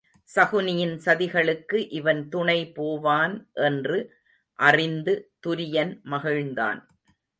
சகுனியின் சதிகளுக்கு இவன் துணை போவான் என்று அறிந்து துரியன் மகிழ்ந்தான்.